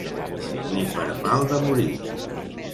Ni per mal de morir.